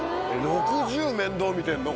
６０面倒見てんの？